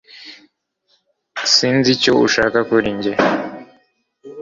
Sinzi icyo ushaka kuri njye